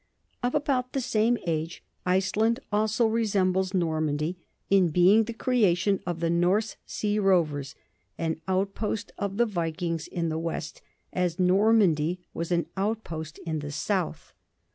Of about the same age, Ice land also resembles Normandy in being the creation of the Norse sea rovers, an outpost of the Vikings in the west, as Normandy was an outpost in the south.